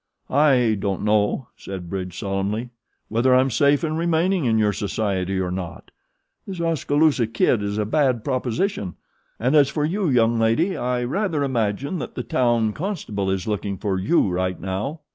"I don't know," said Bridge, solemnly, "whether I'm safe in remaining in your society or not. This Oskaloosa Kid is a bad proposition; and as for you, young lady, I rather imagine that the town constable is looking for you right now."